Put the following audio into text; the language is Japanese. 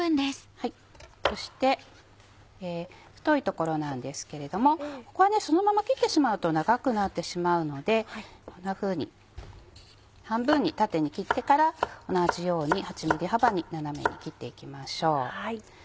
そして太い所なんですけれどもここはそのまま切ってしまうと長くなってしまうのでこんなふうに半分に縦に切ってから同じように８ｍｍ幅に斜めに切っていきましょう。